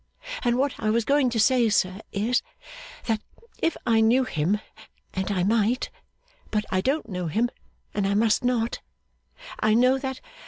And what I was going to say, sir, is, that if I knew him, and I might but I don't know him and I must not I know that!